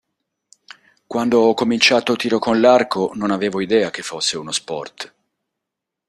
Quando ho cominciato tiro con l'arco, non avevo idea che fosse uno sport.